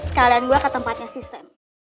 sekalian gue ke tempatnya si sam